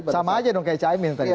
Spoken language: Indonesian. sama aja dong kayak caimin tadi